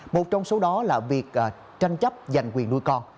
một trong số đó là việc tranh chấp giành quyền nuôi con